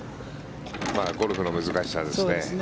ゴルフの難しさですね。